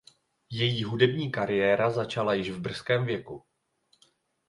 Její hudební kariéra začala již v brzkém věku.